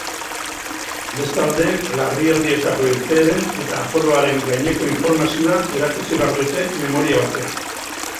Bestalde, larrialdietako irteeren eta aforoaren gaineko informazioa erakutsi behar dute memoria batean.